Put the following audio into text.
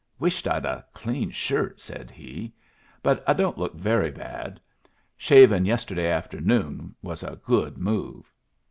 "Wished I'd a clean shirt," said he. "But I don't look very bad. Shavin' yesterday afternoon was a good move."